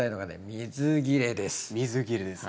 水切れです。